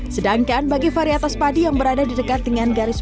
sedangkan bagi varietas padi yang berada di dekat dengan garis bawah